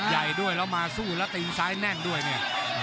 ใหญ่ด้วยแล้วมาสู้แล้วตีนซ้ายแน่นด้วยเนี่ย